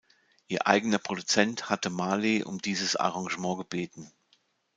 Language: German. Ihr eigener Produzent hatte Marley um dieses Arrangement gebeten.